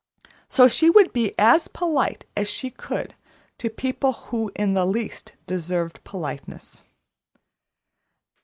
So she would be as polite as she could to people who in the least deserved politeness.